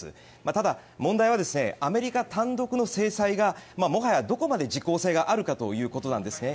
ただ問題はアメリカ単独の制裁がもはやどこまで実効性があるかということなんですね。